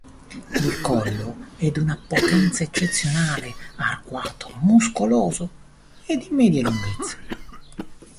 Il collo è di una potenza eccezionale, arcuato, muscoloso e di media lunghezza.